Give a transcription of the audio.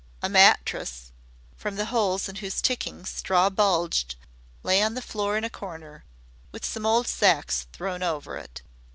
A mattress, from the holes in whose ticking straw bulged, lay on the floor in a corner, with some old sacks thrown over it.